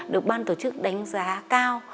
được ban tổ chức đánh giá cao